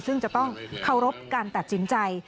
ซึ่งจะต้องเคารพการตัดสินใจ